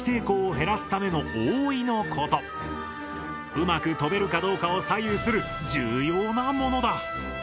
うまく飛べるかどうかを左右する重要なものだ。